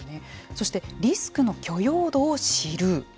そしてリスクの許容度を知る。